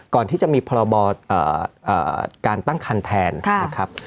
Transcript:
ก่อนที่จะมีพรบการตั้งคันแทนนะครับ